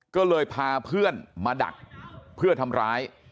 ก็เลยพาเพื่อนมาดักเพื่อทำร้าย